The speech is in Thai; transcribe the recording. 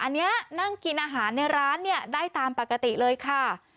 อันนี้นั่งกินอาหารในร้านเนี่ยได้ตามปกติเลยค่ะ